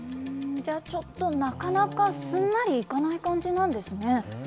ちょっとなかなかすんなりいかない感じなんですね。